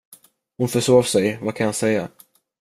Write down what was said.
Hon försov sig, vad kan jag säga?